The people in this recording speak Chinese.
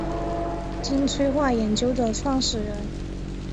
金催化研究的创始人。